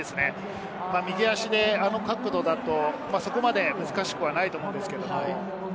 右足であの角度だと、そこまで難しくないと思うんですけれど。